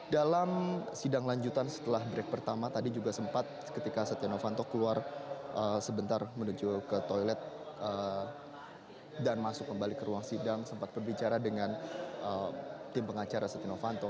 dalam sidang lanjutan setelah break pertama tadi juga sempat ketika setia novanto keluar sebentar menuju ke toilet dan masuk kembali ke ruang sidang sempat berbicara dengan tim pengacara setia novanto